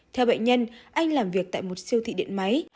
theo bệnh nhân anh làm việc tại một siêu thị điện máy